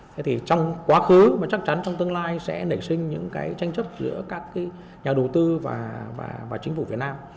thế thì trong quá khứ mà chắc chắn trong tương lai sẽ nảy sinh những cái tranh chấp giữa các cái nhà đầu tư và chính phủ việt nam